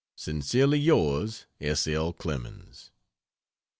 Sincerely yours, S. L. CLEMENS.